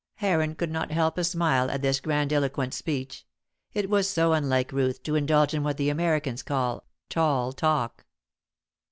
Heron could not help a smile at this grandiloquent speech. It was so unlike Ruth to indulge in what the Americans call "tall talk."